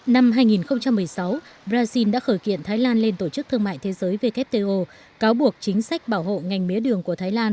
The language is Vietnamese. năm hai nghìn một mươi sáu brazil đã khởi kiện thái lan lên tổ chức thương mại thế giới wto cáo buộc chính sách bảo hộ ngành mía đường của thái lan